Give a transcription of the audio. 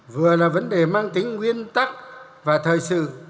vừa là vấn đề mang tính nguyên tắc và thời sự